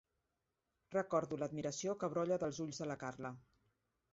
Recordo l'admiració que brolla dels ulls de la Carla.